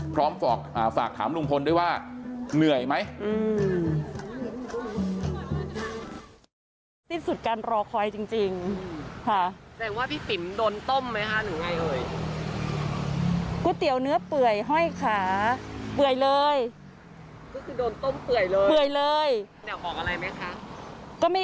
พร้อมฝากถามลุงพลด้วยว่าเหนื่อยไหม